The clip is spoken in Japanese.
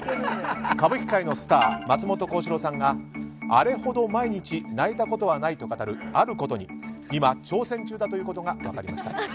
歌舞伎界のスター松本幸四郎さんがあれほど毎日泣いたことはないと語るあることに今、挑戦中だということが分かりました。